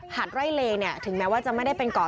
ไร่เลเนี่ยถึงแม้ว่าจะไม่ได้เป็นเกาะ